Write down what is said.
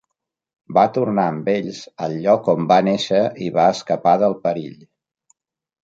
Va tornar amb ells al lloc on va néixer i va escapar del perill.